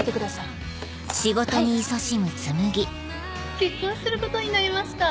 結婚することになりました。